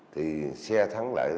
thì xe thắng lại